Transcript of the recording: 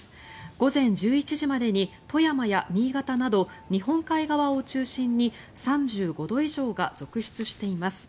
午前１１時までに富山や新潟など日本海側を中心に３５度以上が続出しています。